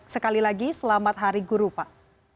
sekali lagi selamat hari guru pak